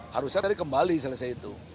harusnya tadi kembali selesai itu